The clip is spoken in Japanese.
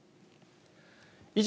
以上、